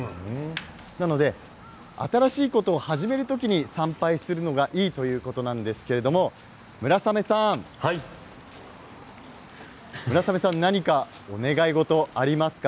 なので新しいことを始める時に参拝するのがいいということなんですけれども村雨さん、何かお願い事ありますか？